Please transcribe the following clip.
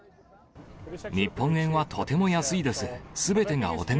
日本円はとても安いです。